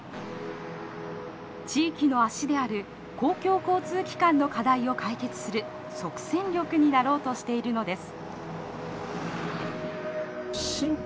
地域の足である公共交通機関の課題を解決する即戦力になろうとしているのです。